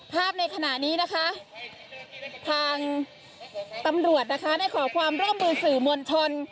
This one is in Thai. ในขณะนี้นะคะทางตำรวจนะคะได้ขอความร่วมมือสื่อมวลชน